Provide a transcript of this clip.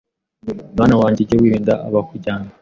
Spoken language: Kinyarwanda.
Mwana wanjye ujye wirinda abakujyana